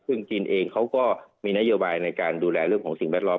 ซึ่งจีนเองเขาก็มีนโยบายในการดูแลเรื่องของสิ่งแวดล้อม